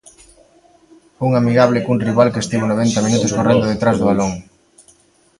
Un amigable cun rival que estivo noventa minutos correndo detrás do balón.